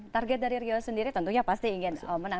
target dari rio sendiri tentunya pasti ingin menang